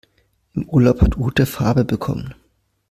Im Urlaub hat Ute Farbe bekommen.